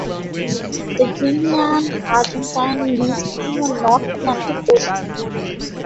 The Greenland argentine lives in the North Atlantic Ocean.